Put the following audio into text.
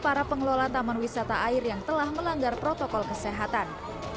para pengelola taman wisata air yang telah melanggar protokol kesehatan